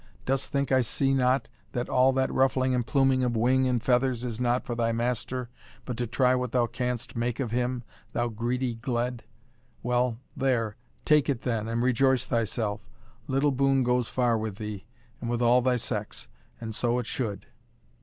dost think I see not that all that ruffling and pluming of wing and feathers is not for thy master, but to try what thou canst make of him, thou greedy gled? well there take it then, and rejoice thyself little boon goes far with thee, and with all thy sex and so it should."